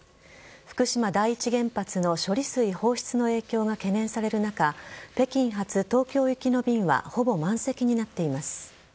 福島第一原発の処理水放出の影響が懸念される中北京発・東京行きの便はほぼ満席になっています。